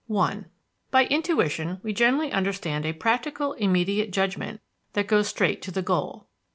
I By "intuition" we generally understand a practical, immediate judgment that goes straight to the goal.